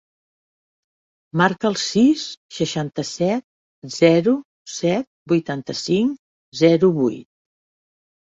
Marca el sis, seixanta-set, zero, set, vuitanta-cinc, zero, vuit.